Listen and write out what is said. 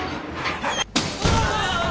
うわ！